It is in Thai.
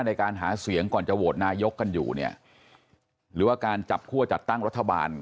ในการหาเสียงก่อนจะโหวตนายกกันอยู่เนี่ยหรือว่าการจับคั่วจัดตั้งรัฐบาล